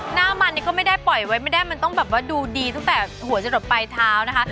หน้ามันนี่ก็ไม่ได้ปล่อยไว้ไม่ได้มันต้องแบบว่าดูดีตั้งแต่หัวจะหลดปลายเท้านะคะ